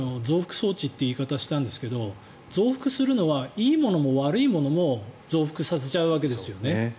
さっき増幅装置という言い方をしたんですが増幅するのはいいものも悪いものも増幅させちゃうんですね。